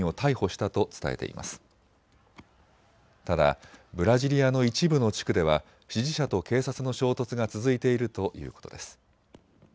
ただブラジリアの一部の地区では支持者と警察の衝突が続いているということです。